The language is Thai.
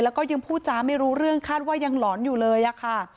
แล้วก็ยังพูดจาไม่รู้เรื่องคาดว่ายังหลอนอยู่เลยอะค่ะ